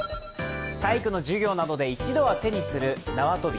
体育の授業などで一度は手にする縄跳び。